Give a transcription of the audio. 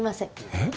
えっ？